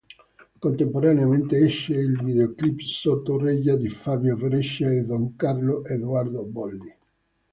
Contemporaneamente esce il videoclip sotto regia di Fabio Breccia e Dop Carlo Edoardo Bolli.